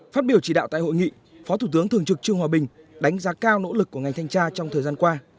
phát biểu chỉ đạo tại hội nghị phó thủ tướng thường trực trương hòa bình đánh giá cao nỗ lực của ngành thanh tra trong thời gian qua